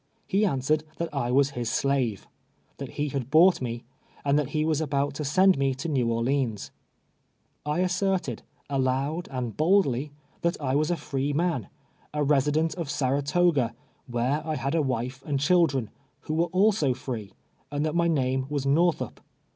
He answered that I was his slave — that he had bought me, and that he was about to send me to Xew Orleans. I asserted, aloud and boldly, that I was a free man — a resident of Saratoga, where I had a wife and children, who were also free, and that my name was iSTorthup.